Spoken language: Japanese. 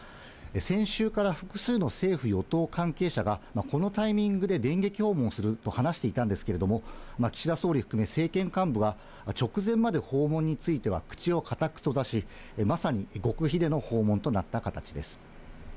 先週から複数の政府・与党関係者が、このタイミングで電撃訪問すると話していたんですけれども、岸田総理含め政権幹部は、直前まで訪問については口を固く閉ざし、まさに極秘での訪問となった形です。